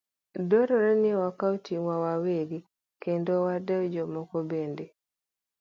Dwarore ni wakaw ting'wa wawegi, kendo wadew jomoko bende.